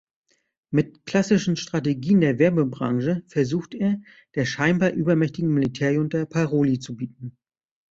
Mit klassischen Strategien der Werbebranche versucht er, der scheinbar übermächtigen Militär-Junta Paroli zu bieten.